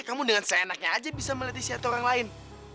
kamu dengan seenaknya aja bisa melihat isi hati orang lain